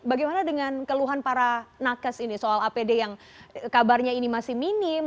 bagaimana dengan keluhan para nakes ini soal apd yang kabarnya ini masih minim